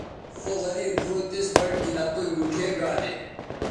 سو غریب ڙھؤں تِس بَٹ گِھن اپیئں گُوٹھے گا دے